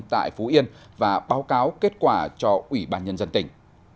tại phú yên và báo cáo kết quả cho ủy ban nhân dân tỉnh